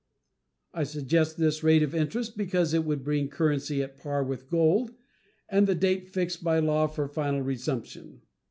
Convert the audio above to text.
I suggest this rate of interest because it would bring currency at par with gold at the date fixed by law for final resumption.